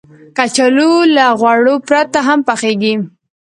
کچالو له غوړو پرته هم پخېږي